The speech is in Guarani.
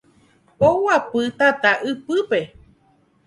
Aguapy tata ypýpe